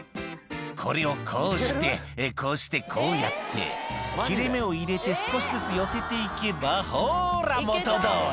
「これをこうしてこうしてこうやって」「切れ目を入れて少しずつ寄せていけばほら元どおり！